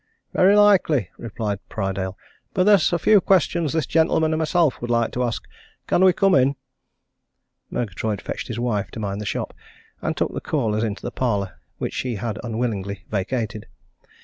"Very likely," replied Prydale, "but there's a few questions this gentleman and myself would like to ask. Can we come in?" Murgatroyd fetched his wife to mind the shop, and took the callers into the parlour which she had unwillingly vacated.